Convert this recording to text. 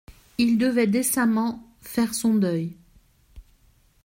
Il devait décemment «faire son deuil».